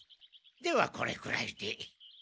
ではこれくらいで。